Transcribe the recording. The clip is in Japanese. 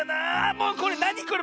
もうこれなにこれ！